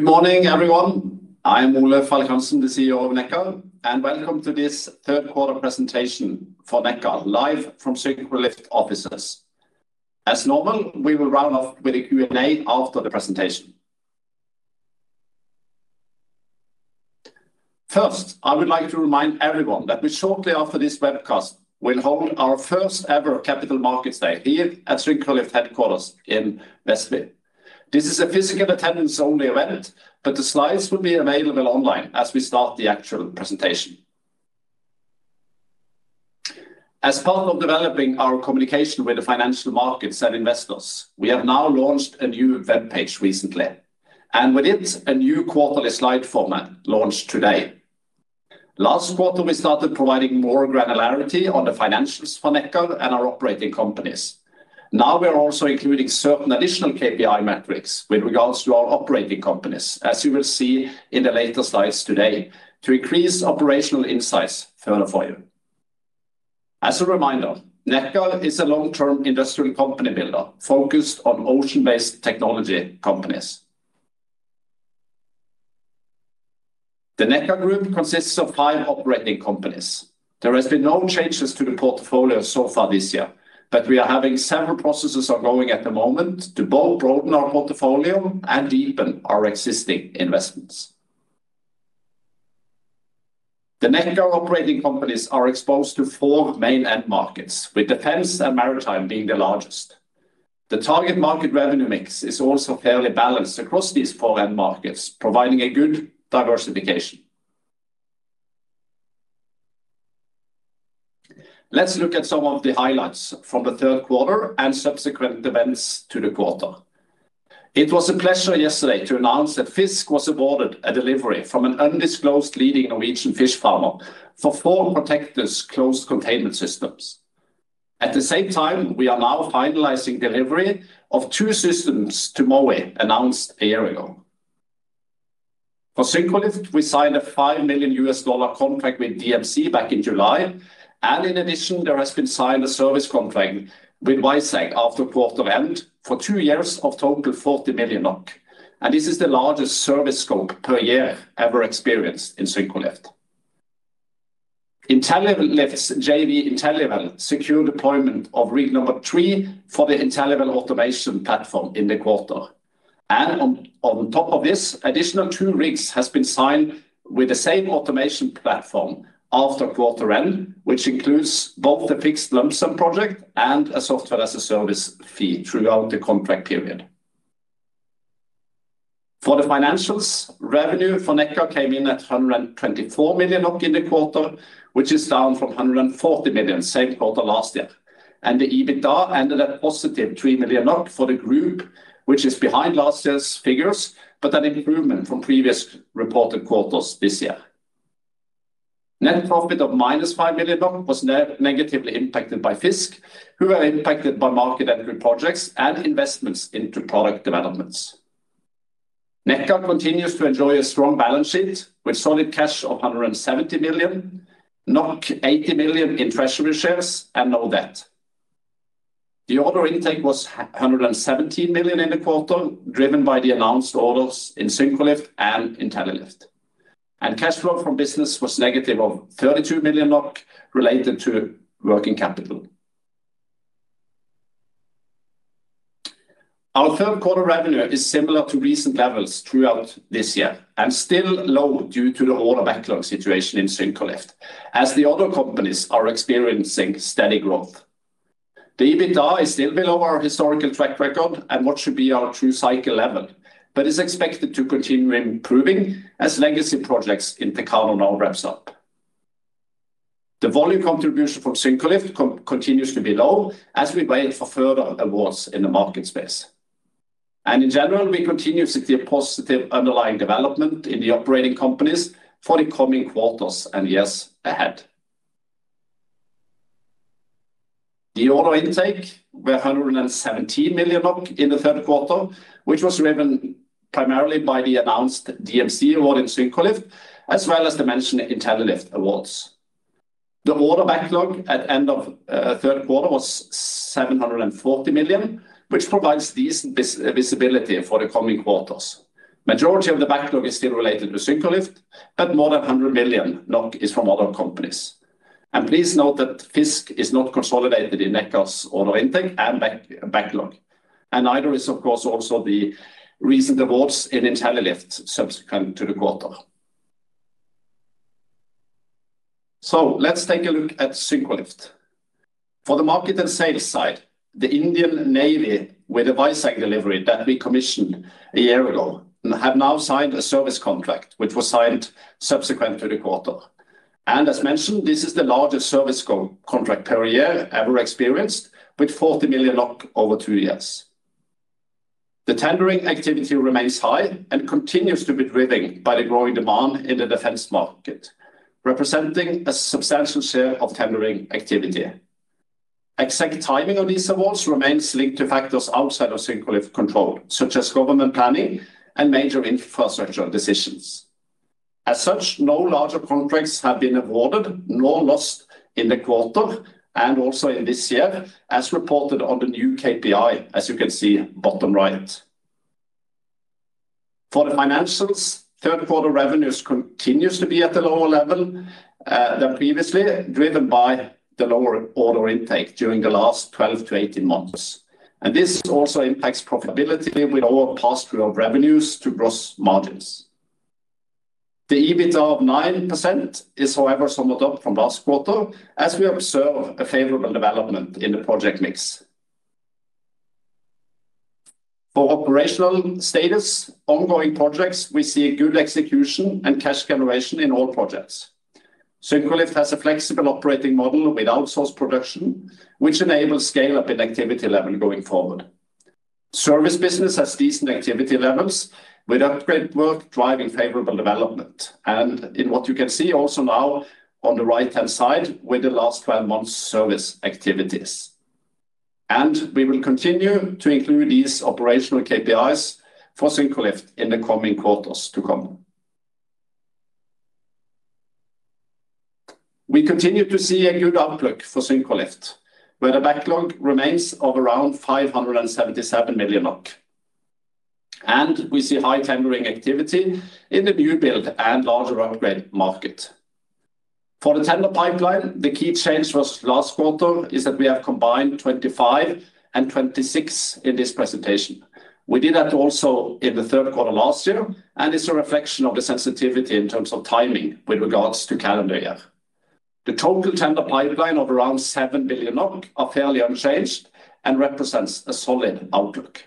Good morning, everyone. I am Ole Falk Hansen, the CEO of Nekkar, and welcome to this Third Quarter Presentation for Nekkar, live from Syncrolift offices. As normal, we will round off with a Q&A after the presentation. First, I would like to remind everyone that shortly after this webcast, we'll hold our first ever Capital Markets Day here at Syncrolift headquarters in Vestby. This is a physical attendance-only event, but the slides will be available online as we start the actual presentation. As part of developing our communication with the financial markets and investors, we have now launched a new web page recently, and with it, a new quarterly slide format launched today. Last quarter, we started providing more granularity on the financials for Nekkar and our operating companies. Now, we are also including certain additional KPI metrics with regards to our operating companies, as you will see in the later slides today, to increase operational insights further for you. As a reminder, Nekkar is a long-term industrial company builder focused on ocean-based technology companies. The Nekkar Group consists of five operating companies. There have been no changes to the portfolio so far this year, but we are having several processes ongoing at the moment to both broaden our portfolio and deepen our existing investments. The Nekkar operating companies are exposed to four main end markets, with defense and maritime being the largest. The target market revenue mix is also fairly balanced across these four end markets, providing a good diversification. Let's look at some of the highlights from the third quarter and subsequent events to the quarter. It was a pleasure yesterday to announce that Fisk was awarded a delivery from an undisclosed leading Norwegian fish farmer for four Protectors closed containment systems. At the same time, we are now finalizing delivery of two systems to MOE, announced a year ago. For Syncrolift, we signed a $5 million contract with DMC back in July, and in addition, there has been signed a service contract with Wisec after quarter end for two years of total 40 million NOK. This is the largest service scope per year ever experienced in Syncrolift. Intellilift's JV InteliWell secured deployment of rig number three for the InteliWell automation platform in the quarter. On top of this, additional two rigs have been signed with the same automation platform after quarter end, which includes both a fixed lump sum project and a software as a service fee throughout the contract period. For the financials, revenue for Nekkar came in at 124 million in the quarter, which is down from 140 million same quarter last year. The EBITDA ended at +3 million for the group, which is behind last year's figures, but an improvement from previous reported quarters this year. Net profit of minus NOK 5 million was negatively impacted by Fisk, who were impacted by market entry projects and investments into product developments. Nekkar continues to enjoy a strong balance sheet with solid cash of 170 million, 80 million in treasury shares, and no debt. The order intake was 117 million in the quarter, driven by the announced orders in Syncrolift and Intellilift Cash flow from business was negative of 32 million NOK related to working capital. Our third quarter revenue is similar to recent levels throughout this year and still low due to the order backlog situation in Syncrolift, as the other companies are experiencing steady growth. The EBITDA is still below our historical track record and what should be our true cycle level, but is expected to continue improving as legacy projects in now ramp up. The volume contribution from Syncrolift continues to be low as we wait for further awards in the market space. In general, we continue to see a positive underlying development in the operating companies for the coming quarters and years ahead. The order intake was 117 million in the third quarter, which was driven primarily by the announced DMC award in Syncrolift, as well as the mentioned Intellilift awards. The order backlog at the end of the third quarter was 740 million, which provides decent visibility for the coming quarters. The majority of the backlog is still related to Syncrolift, but more than 100 million NOK is from other companies. Please note that Fisk is not consolidated in Nekkar's order intake and backlog. Neither is, of course, also the recent awards in Intellilift subsequent to the quarter. Let's take a look at Syncrolift. For the market and sales side, the Indian Navy with the Wisec delivery that we commissioned a year ago have now signed a service contract, which was signed subsequent to the quarter. As mentioned, this is the largest service contract per year ever experienced, with 40 million over two years. The tendering activity remains high and continues to be driven by the growing demand in the defense market, representing a substantial share of tendering activity. Exact timing of these awards remains linked to factors outside of Syncrolift control, such as government planning and major infrastructure decisions. As such, no larger contracts have been awarded nor lost in the quarter and also in this year, as reported on the new KPI, as you can see bottom right. For the financials, third quarter revenues continue to be at the lower level than previously, driven by the lower order intake during the last 12 to 18 months. This also impacts profitability with all past revenues to gross margins. The EBITDA of 9% is, however, somewhat up from last quarter, as we observe a favorable development in the project mix. For operational status, ongoing projects, we see good execution and cash generation in all projects. Syncrolift has a flexible operating model with outsourced production, which enables scale-up in activity level going forward. Service business has decent activity levels with upgrade work driving favorable development. What you can see also now on the right-hand side with the last 12 months' service activities. We will continue to include these operational KPIs for Syncrolift in the coming quarters to come. We continue to see a good outlook for Syncrolift, where the backlog remains of around 577 million. We see high tendering activity in the new build and larger upgrade market. For the tender pipeline, the key change last quarter is that we have combined 2025 and 2026 in this presentation. We did that also in the third quarter last year, and it is a reflection of the sensitivity in terms of timing with regards to calendar year. The total tender pipeline of around 7 billion is fairly unchanged and represents a solid outlook.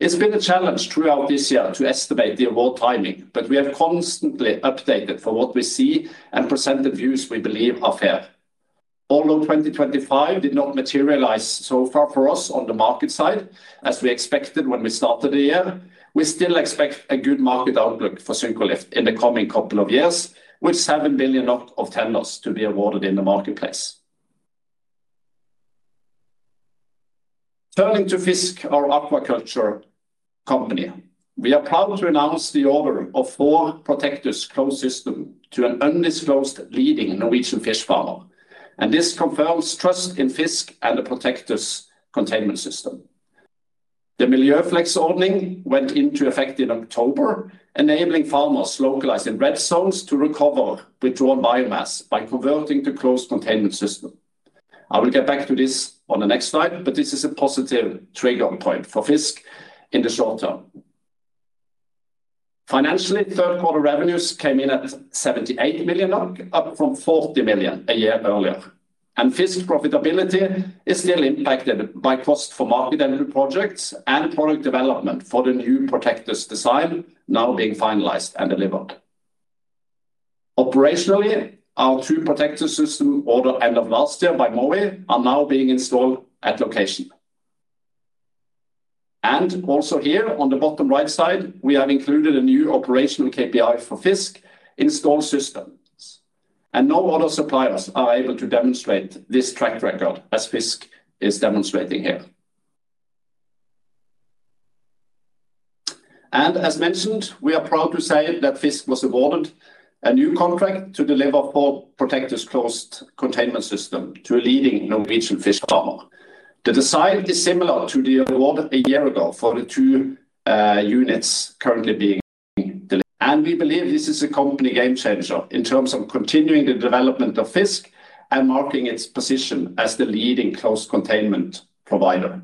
It has been a challenge throughout this year to estimate the award timing, but we have constantly updated for what we see and presented views we believe are fair. Although 2025 did not materialize so far for us on the market side as we expected when we started the year, we still expect a good market outlook for Syncrolift in the coming couple of years, with 7 billion of tenders to be awarded in the marketplace. Turning to Fisk, our aquaculture company, we are proud to announce the order of four Protectors closed system to an undisclosed leading Norwegian fish farmer. This confirms trust in Fisk and the Protectors containment system. The Miljøflex ordering went into effect in October, enabling farmers localized in red zones to recover withdrawn biomass by converting to closed containment system. I will get back to this on the next slide, but this is a positive trigger point for Fisk in the short term. Financially, third quarter revenues came in at 78 million, up from 40 million a year earlier. Fisk's profitability is still impacted by cost for market entry projects and product development for the new Protectors design now being finalized and delivered. Operationally, our two Protectors system ordered end of last year by MOE are now being installed at location. Also here, on the bottom right side, we have included a new operational KPI for Fisk install systems. No other suppliers are able to demonstrate this track record as Fisk is demonstrating here. As mentioned, we are proud to say that Fisk was awarded a new contract to deliver four Protectors closed containment systems to a leading Norwegian fish farmer. The design is similar to the award a year ago for the two units currently being delivered. We believe this is a company game changer in terms of continuing the development of Fisk and marking its position as the leading closed containment provider.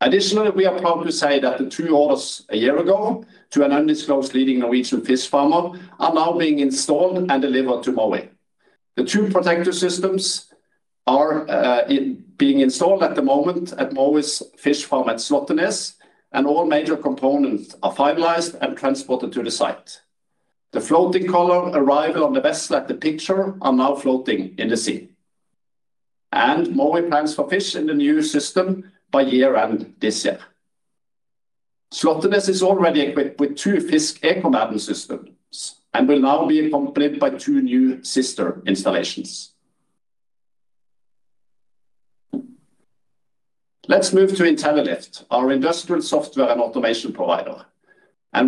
Additionally, we are proud to say that the two orders a year ago to an undisclosed leading Norwegian fish farmer are now being installed and delivered to MOE. The two Protector systems are being installed at the moment at MOE's fish farm at Slottenes, and all major components are finalized and transported to the site. The floating collar arrival on the vessel at the picture are now floating in the sea. MOE plans for fish in the new system by year-end this year. Slottenes is already equipped with two Fisk eco-mountain systems and will now be accompanied by two new sister installations. Let's move to Intellilift our industrial software and automation provider.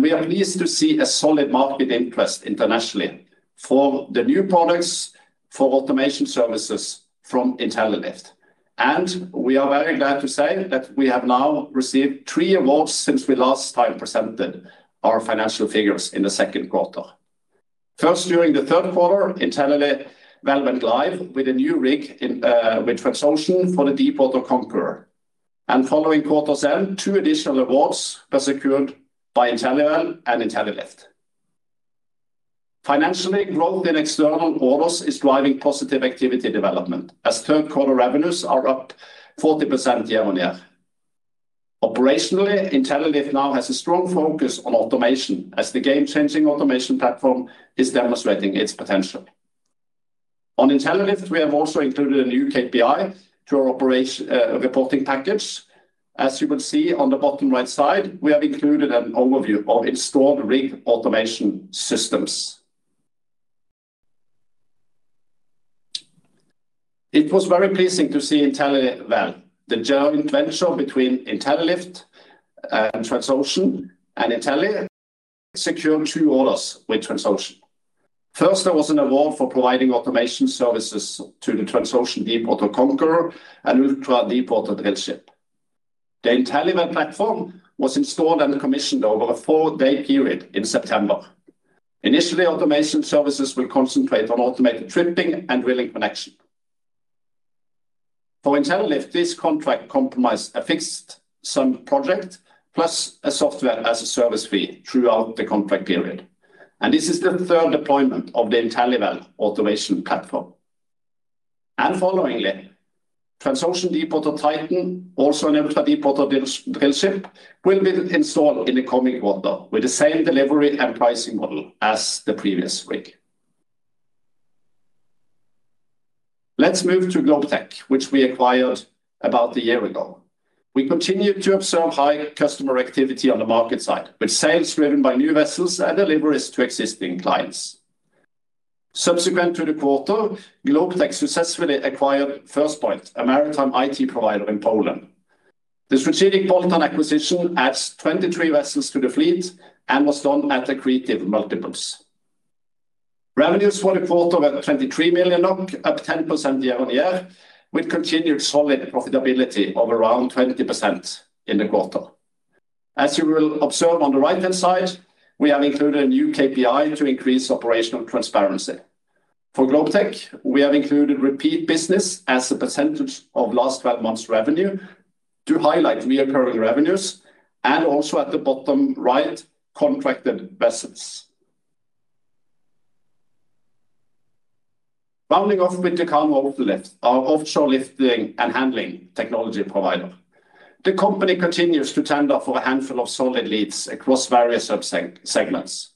We are pleased to see a solid market interest internationally for the new products for automation services from Intellilift We are very glad to say that we have now received three awards since we last time presented our financial figures in the second quarter. First, during the third quarter, Intellilift went live with a new rig with transmission for the Deepwater Conqueror. Following quarter's end, two additional awards were secured by InteliWell and Intellilift. Financially, growth in external orders is driving positive activity development as third quarter revenues are up 40% year-on-year. Operationally, Intellilift now has a strong focus on automation as the game-changing automation platform is demonstrating its potential. On Intellilift we have also included a new KPI to our operation reporting package. As you will see on the bottom right side, we have included an overview of installed rig automation systems. It was very pleasing to see Intellilift the joint venture between Intellilift and Transocean, and Intellilift secured two orders with Transocean. First, there was an award for providing automation services to the Transocean Deepwater Conqueror and ultra-deepwater drillship. The Intellilift platform was installed and commissioned over a four-day period in September. Initially, automation services will concentrate on automated tripping and drilling connection. For Intellilift this contract comprised a fixed sum project plus a software as a service fee throughout the contract period. This is the third deployment of the InteliWell automation platform. Followingly, Transocean Deepwater Titan, also an ultra-deepwater drillship, will be installed in the coming quarter with the same delivery and pricing model as the previous rig. Let's move to Globetech which we acquired about a year ago. We continue to observe high customer activity on the market side, with sales driven by new vessels and deliveries to existing clients. Subsequent to the quarter, Globetech successfully acquired FirstPoint, a maritime IT provider in Poland. The strategic bolt-on acquisition adds 23 vessels to the fleet and was done at accretive multiples. Revenues for the quarter were 23 million NOK, up 10% year-on-year, with continued solid profitability of around 20% in the quarter. As you will observe on the right-hand side, we have included a new KPI to increase operational transparency. For Globetech we have included repeat business as a percentage of last 12 months' revenue to highlight reoccurring revenues, and also at the bottom right, contracted vessels. Bounding off with Techano Oceanlift our offshore lifting and handling technology provider. The company continues to tender for a handful of solid leads across various sub-segments.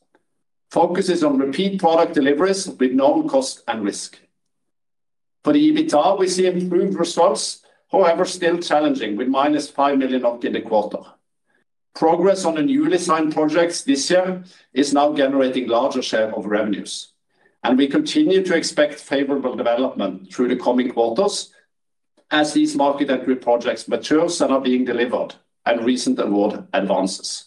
Focus is on repeat product deliveries with known cost and risk. For the EBITDA, we see improved results, however still challenging with -5 million in the quarter. Progress on the newly signed projects this year is now generating a larger share of revenues. We continue to expect favorable development through the coming quarters as these market entry projects mature and are being delivered and recent award advances.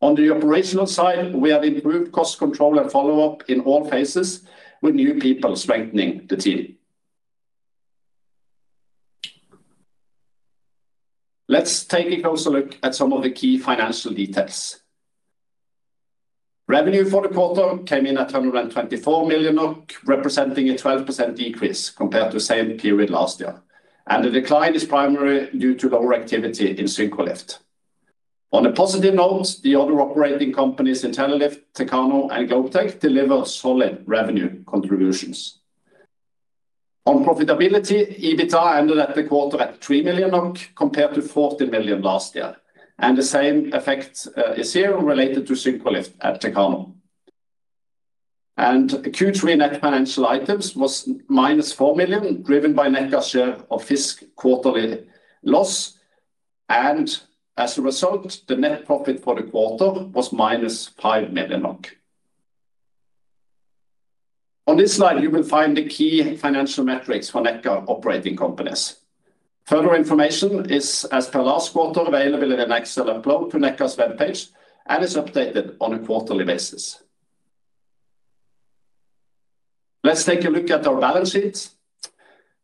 On the operational side, we have improved cost control and follow-up in all phases with new people strengthening the team. Let's take a closer look at some of the key financial details. Revenue for the quarter came in at 124 million, representing a 12% decrease compared to the same period last year. The decline is primarily due to lower activity in Syncrolift. On a positive note, the other operating companies, Intellilift Techano, and Globetech, deliver solid revenue contributions. On profitability, EBITDA ended at the quarter at 3 million compared to 14 million last year. The same effect is here related to Syncrolift at Techano. Q3 net financial items was -4 million, driven by Nekkar's share of Fisk quarterly loss. As a result, the net profit for the quarter was -5 million. On this slide, you will find the key financial metrics for Nekkar operating companies. Further information is, as per last quarter, available in an Excel upload to Nekkar's webpage and is updated on a quarterly basis. Let's take a look at our balance sheet.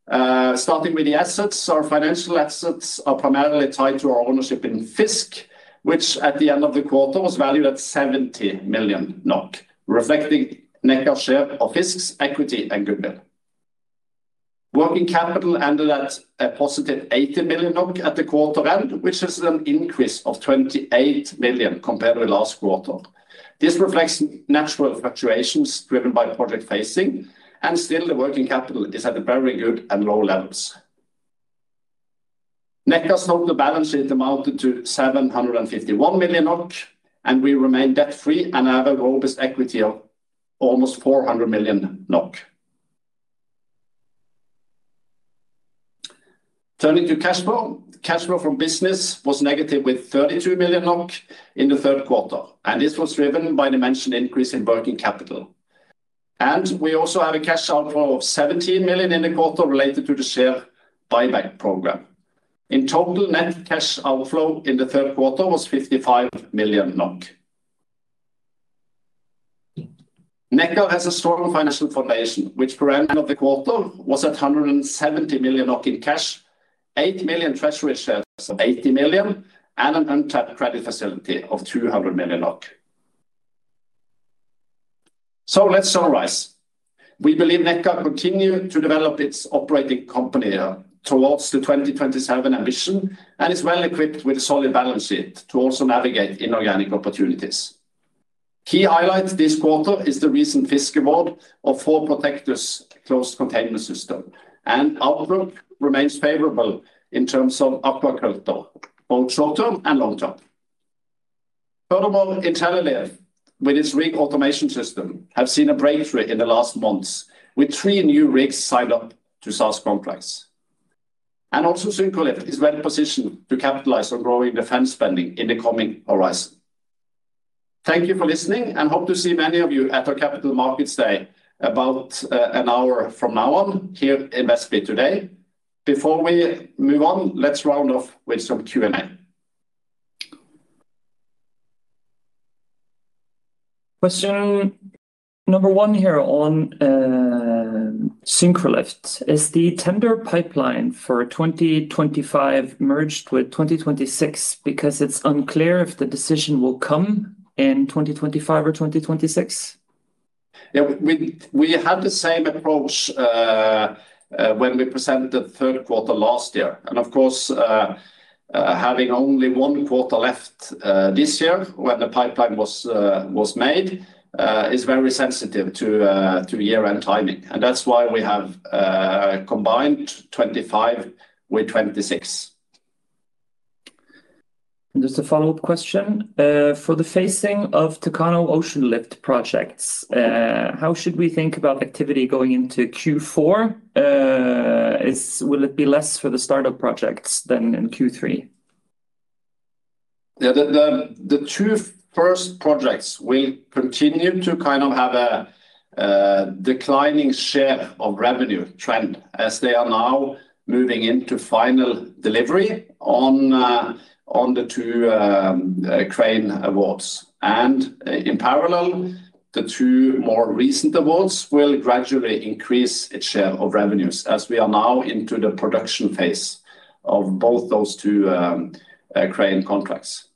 Starting with the assets, our financial assets are primarily tied to our ownership in Fisk, which at the end of the quarter was valued at 70 million NOK, reflecting Nekkar's share of Fisk's equity and goodwill. Working capital ended at a +80 million at the quarter end, which is an increase of 28 million compared to last quarter. This reflects natural fluctuations driven by project phasing. Still, the working capital is at very good and low levels. Nekkar's total balance sheet amounted to 751 million NOK, and we remain debt-free and have a robust equity of almost 400 million NOK. Turning to cash flow, cash flow from business was negative with 32 million in the third quarter. This was driven by the mentioned increase in working capital. We also have a cash outflow of 17 million in the quarter related to the share buyback program. In total, net cash outflow in the third quarter was 55 million NOK. Nekkar has a strong financial foundation, which per end of the quarter was at 170 million in cash, 8 million treasury shares of 80 million, and an untapped credit facility of 200 million. Let's summarize. We believe Nekkar will continue to develop its operating company towards the 2027 ambition and is well equipped with a solid balance sheet to also navigate inorganic opportunities. Key highlight this quarter is the recent Fisk award of four Protectors closed containment system. Outlook remains favorable in terms of aquaculture, both short term and long term. Furthermore, Intellilift with its rig automation system, has seen a breakthrough in the last months with three new rigs signed up to SARS complex. Syncrolift is well positioned to capitalize on growing defense spending in the coming horizon. Thank you for listening, and hope to see many of you at our Capital Markets Day about an hour from now on here in Vestby today. Before we move on, let's round off with some Q&A. Question number one here on Syncrolift: Is the tender pipeline for 2025 merged with 2026 because it's unclear if the decision will come in 2025 or 2026? Yeah, we had the same approach when we presented the third quarter last year. Of course, having only one quarter left this year when the pipeline was made, it is very sensitive to year-end timing. That is why we have combined 2025 with 2026. Just a follow-up question. For the phasing of Techano Oceans Lift projects, how should we think about activity going into Q4? Will it be less for the startup projects than in Q3? Yeah, the two first projects will continue to kind of have a declining share of revenue trend as they are now moving into final delivery on the two crane awards. In parallel, the two more recent awards will gradually increase its share of revenues as we are now into the production phase of both those two crane contracts.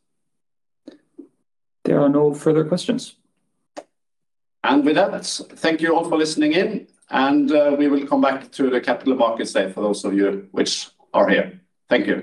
There are no further questions. With that, thank you all for listening in. We will come back to the Capital Markets Day for those of you which are here. Thank you.